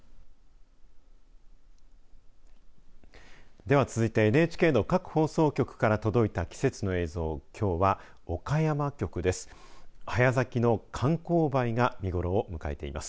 では続いてＮＨＫの各放送局から届いた季節の映像きょうは岡山局です。